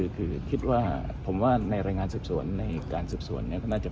มองว่าเป็นการสกัดท่านหรือเปล่าครับเพราะว่าท่านก็อยู่ในตำแหน่งรองพอด้วยในช่วงนี้นะครับ